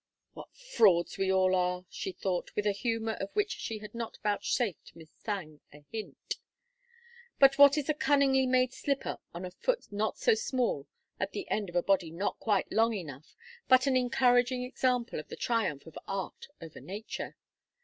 "What frauds we all are!" she thought, with a humor of which she had not vouchsafed Miss Thangue a hint. "But what is a cunningly made slipper on a foot not so small, at the end of a body not quite long enough, but an encouraging example of the triumph of art over nature?